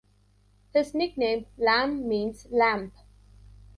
His nickname "Lam" means "lamb".